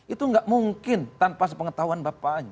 itu nggak mungkin tanpa sepengetahuan bapaknya